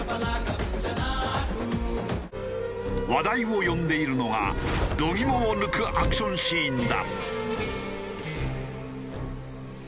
話題を呼んでいるのが度肝を抜くアクションシーンだ。